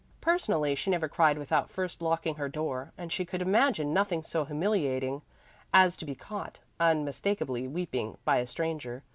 Personally she never cried without first locking her door, and she could imagine nothing so humiliating as to be caught, unmistakably weeping, by a stranger.